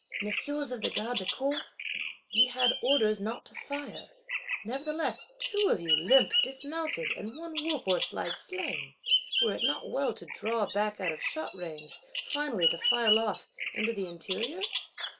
' Messieurs of the Garde du Corps, ye had orders not to fire; nevertheless two of you limp dismounted, and one war horse lies slain. Were it not well to draw back out of shot range; finally to file off,—into the interior?